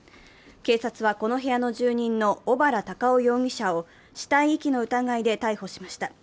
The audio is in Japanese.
警察はこの部屋の住人の小原隆夫容疑者を死体遺棄の疑いで逮捕しました。